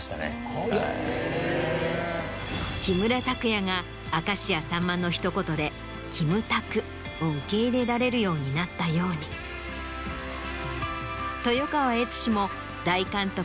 木村拓哉が明石家さんまのひと言でキムタクを受け入れられるようになったように豊川悦司も。